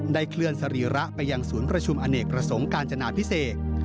เคลื่อนสรีระไปยังศูนย์ประชุมอเนกประสงค์การจนาพิเศษ